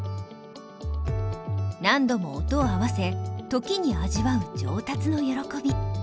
何度も音を合わせ時に味わう上達の喜び。